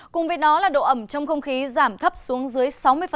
cùng với đó là độ ẩm trong không khí giảm thấp xuống dưới sáu mươi